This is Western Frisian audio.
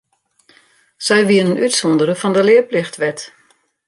Sy wienen útsûndere fan de learplichtwet.